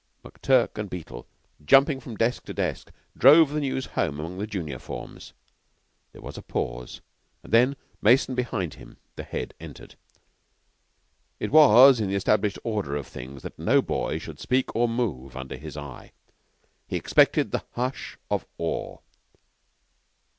McTurk and Beetle, jumping from desk to desk, drove the news home among the junior forms. There was a pause, and then, Mason behind him, the Head entered. It was in the established order of things that no boy should speak or move under his eye. He expected the hush of awe.